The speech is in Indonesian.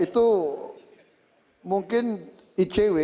itu mungkin icw